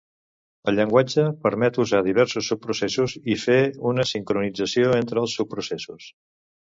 El llenguatge permet usar diversos subprocessos i fer una sincronització entre els subprocessos.